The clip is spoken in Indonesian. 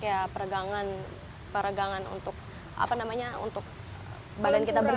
ya peregangan untuk apa namanya untuk badan kita berdua